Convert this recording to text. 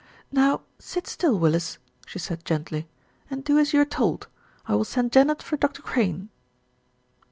"Now, sit still, Willis," she said gently, "and do as you are told. I will send Janet for Dr. Crane."